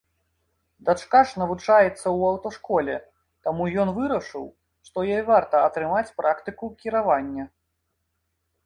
Дачка ж навучаецца ў аўташколе, таму ён вырашыў, што ёй варта атрымаць практыку кіравання.